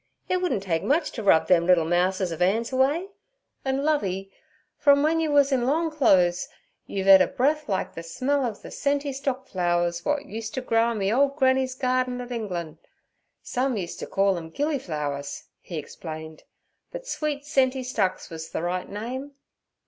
It wouldn' take much t' rub them liddle mouses of 'an's away. An', Lovey, from wen yur wus in long clo'es you've ed a breath like ther smell ov ther scenty stock flowers w'at used t' grow in me old granny's garden at Englan'. Some used t' call 'em gilly flowers' he explained, 'but sweet scenty stocks wuz the right name.